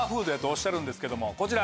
っしゃるんですけどもこちら。